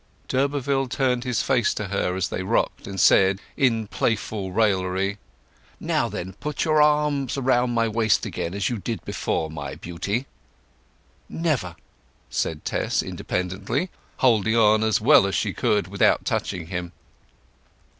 D'Urberville turned his face to her as they rocked, and said, in playful raillery: "Now then, put your arms round my waist again, as you did before, my Beauty." "Never!" said Tess independently, holding on as well as she could without touching him.